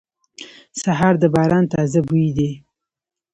سهار د باران تازه بوی دی.